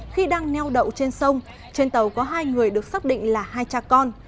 khi đang neo đậu trên sông trên tàu có hai người được xác định là hai cha con